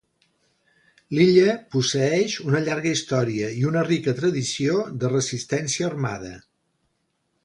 Lilla posseeix una llarga història i una rica tradició de resistència armada.